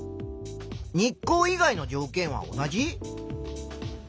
日光以外の条件は同じ？